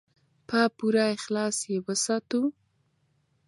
په پوره اخلاص یې وساتو.